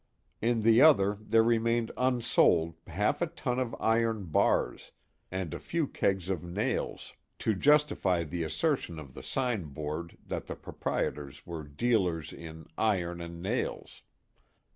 In the other there remained unsold half a ton of iron bars, and a few kegs of nails, to justify the assertion of the signboard that the proprietors were dealers in "Iron and Nails."